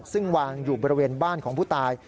ซึ่งวางอยู่บริเวณบ้านของผู้ตาย